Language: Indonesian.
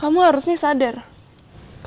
kamu ini bukan siapa siapa di keluarga aku